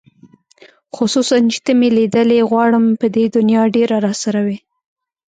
خصوصاً چې ته مې لیدلې غواړم په دې دنیا ډېره راسره وې